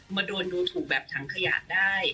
มาโดนดูถูกแบบถังขยะได้